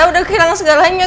gue udah kehilangan segalanya